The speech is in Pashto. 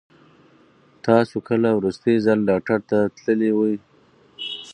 تاسو کله وروستی ځل ډاکټر ته تللي وئ؟